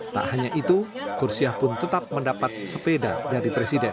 tak hanya itu kursiah pun tetap mendapat sepeda dari presiden